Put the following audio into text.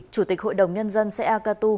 chủ tịch hội đồng nhân dân xã e cà tu